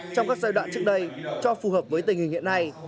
trong các giai đoạn trước đây cho phù hợp với tình hình hiện nay